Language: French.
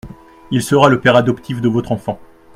Il sera le père adoptif de votre enfant.